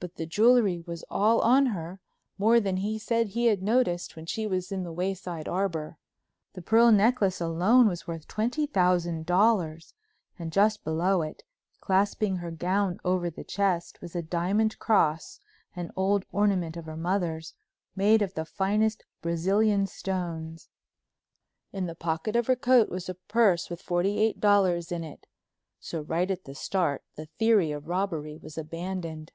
But the jewelry was all on her, more than he said he had noticed when she was in the Wayside Arbor. The pearl necklace alone was worth twenty thousand dollars, and just below it, clasping her gown over the chest, was a diamond cross, an old ornament of her mother's, made of the finest Brazilian stones. In the pocket of her coat was a purse with forty eight dollars in it. So right at the start the theory of robbery was abandoned.